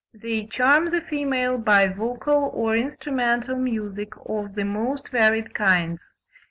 They charm the female by vocal or instrumental music of the most varied kinds.